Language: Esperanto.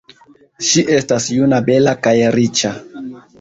Ŝi estas juna, bela, kaj riĉa.